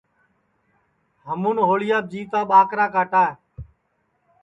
ہمون ہوݪیاپ جیوتا کاٹا